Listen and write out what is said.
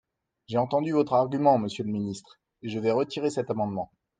J’ai entendu votre argument, monsieur le ministre, et je vais retirer cet amendement.